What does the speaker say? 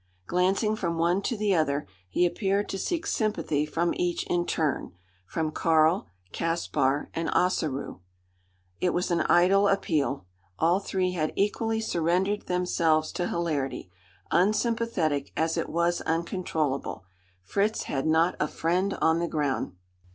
Glancing from one to the other, he appeared to seek sympathy from each in turn from Karl, Caspar, and Ossaroo. It was an idle appeal. All three had equally surrendered themselves to hilarity unsympathetic, as it was uncontrollable. Fritz had not a friend on the ground.